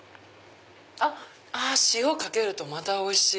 塩かけるとまたおいしい！